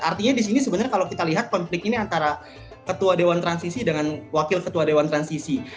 artinya di sini sebenarnya kalau kita lihat konflik ini antara ketua dewan transisi dengan wakil ketua dewan transisi